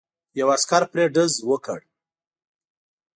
یو عسکر پرې ډز وکړ.